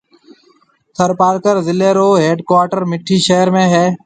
ٿرپارڪر ضلعيَ رو ھيَََڊ ڪوارٽر مٺِي شھر ھيََََ